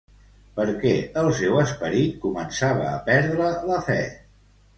Per què el seu esperit començava a perdre la fe?